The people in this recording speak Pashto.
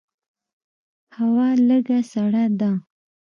هوا لږه سړه ده.